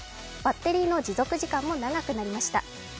バッテリーの持続時間も長くなりました。